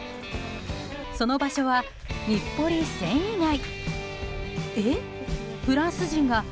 その場所は、日暮里繊維街。